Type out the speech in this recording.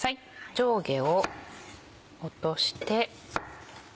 上下を落として。